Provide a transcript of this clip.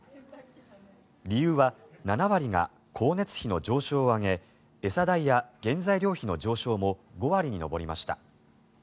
理由は７割が光熱費の上昇を挙げ餌代や原材料費の上昇も５割に上りました。